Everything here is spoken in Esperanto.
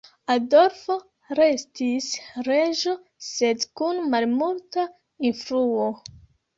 Adolfo restis reĝo, sed kun malmulta influo.